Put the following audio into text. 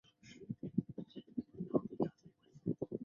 胡桃是幼虫的寄主植物。